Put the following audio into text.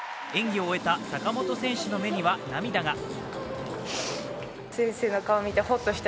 演技を終えた坂本選手の目には涙が。